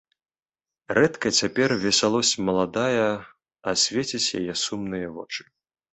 Рэдка цяпер весялосць маладая асвеціць яе сумныя вочы.